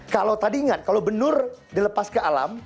kalau tadi ingat kalau benur dilepas ke alam